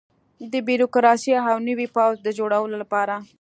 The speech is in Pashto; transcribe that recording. د بیروکراسۍ او نوي پوځ د جوړولو لپاره.